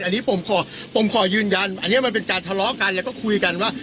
อันนี้ผมขอผมขอยืนยันอันนี้มันเป็นการทะเลาะกันแล้วก็คุยกันว่า